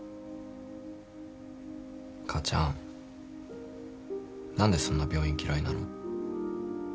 母ちゃん何でそんな病院嫌いなの？